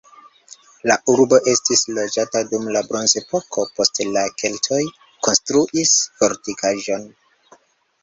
La urbo estis loĝata dum la bronzepoko, poste la keltoj konstruis fortikaĵon.